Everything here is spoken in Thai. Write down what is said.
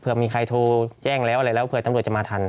เพื่อมีใครโทรแจ้งแล้วอะไรแล้วเผื่อตำรวจจะมาทัน